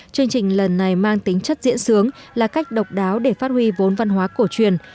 chương trình lần này mang tính chất diễn sướng là cách độc đáo để phát huy vốn văn hóa cổ truyền